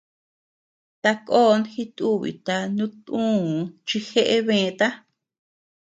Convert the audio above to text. Takon jitubita nutdüu chi jeʼe bëta.